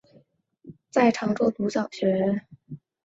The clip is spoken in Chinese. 在常州读小学。